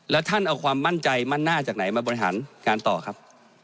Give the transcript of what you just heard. แล้วท่านเอาความมั่นใจมั่นหน้าจากไหนมาบริหารการต่อครับ